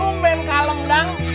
kumpen kalem dang